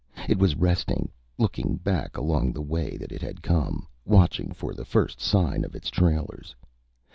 It was resting, looking back along the way that it had come, watching for the first sign of its trailers.